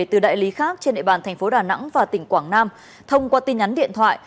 từ đại lý khác trên địa bàn thành phố đà nẵng và tỉnh quảng nam thông qua tin nhắn điện thoại